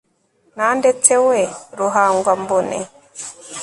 na ndetse we ruhangwambone